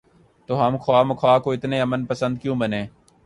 تو ہم خواہ مخواہ کے اتنے امن پسند کیوں بنیں؟